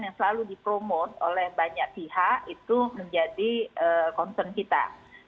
yang selalu dipromo oleh banyak pihak itu menjadi concern kita